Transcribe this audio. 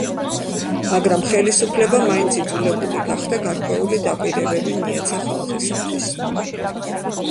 მაგრამ ხელისუფლება მაინც იძულებული გახდა გარკვეული დაპირებები მიეცა ხალხისათვის.